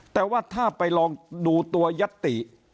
แต่ว่าถ้าไปลองดูตัวยัตติ